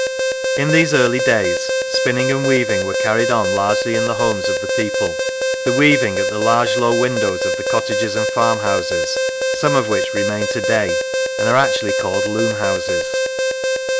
In these early days, spinning and weaving were carried on largely in the homes of the people, the weaving at the large low windows of the cottages and farmhouses, some of which remain to day and are actually called loom houses.